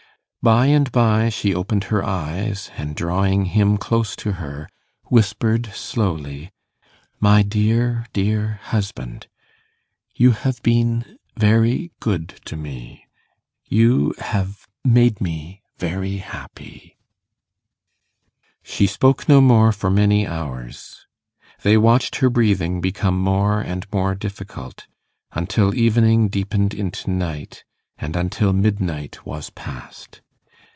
By and by she opened her eyes, and, drawing him close to her, whispered slowly, 'My dear dear husband you have been very good to me. You have made me very happy.' She spoke no more for many hours. They watched her breathing becoming more and more difficult, until evening deepened into night, and until midnight was past.